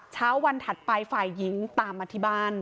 เช้าวันถัดไปฝ่ายหญิงตามอธิบาล